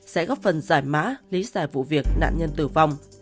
sẽ góp phần giải mã lý giải vụ việc nạn nhân tử vong